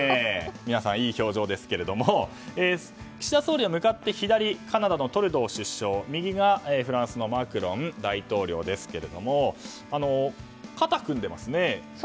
皆さん、いい表情ですが岸田総理は向かって左カナダのトルドー首相右が、フランスのマクロン大統領ですが肩を組んでますね。